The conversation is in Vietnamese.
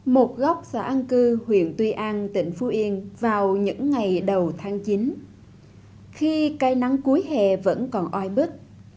một góc xã an cư huyện tuy an tỉnh phú yên vào những ngày đầu tháng chín khi cây nắng cuối hè vẫn còn oi bức